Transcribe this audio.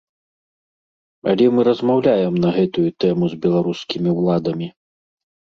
Але мы размаўляем на гэтую тэму з беларускімі ўладамі.